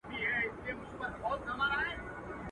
که مېرويس دی، که اکبر، که مسجدي دی.